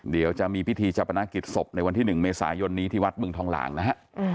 เดี๋ยวจะมีพิธีชาปนกิจศพในวันที่๑เมษายนนี้ที่วัดเมืองทองหลางนะฮะ